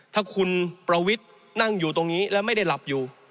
ถ้าคุณประวิทย์นั่งอยู่ตรงนี้แล้วไม่ได้หลับอยู่